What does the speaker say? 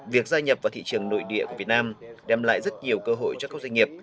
việc gia nhập vào thị trường nội địa của việt nam đem lại rất nhiều cơ hội cho các doanh nghiệp